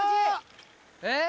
えっ？